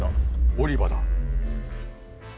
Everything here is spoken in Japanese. オリバだ。